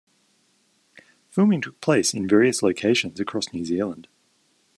Filming took place in various locations across New Zealand.